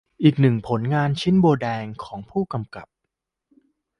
อีกหนึ่งผลงานชิ้นโบแดงของผู้กำกับ